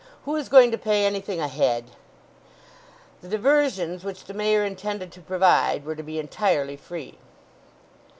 —who is going to pay anything a head?" The diversions which the Mayor intended to provide were to be entirely free.